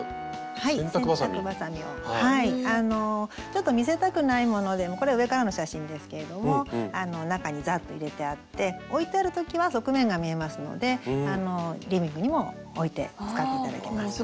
ちょっと見せたくないものでもこれ上からの写真ですけれども中にザッと入れてあって置いてある時は側面が見えますのでリビングにも置いて使って頂けます。